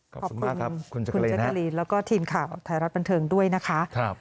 ขอบคุณคุณแจ๊กกะลีนแล้วก็ทีมข่าวไทยรัฐบันเทิงด้วยนะคะ